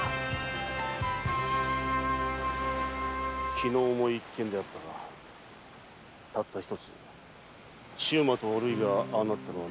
気の重い一件であったがたった一つ周馬とおるいがああなったのは何よりだ。